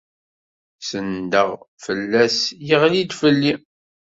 Senndeɣ fell-as, yeɣli-d fell-i.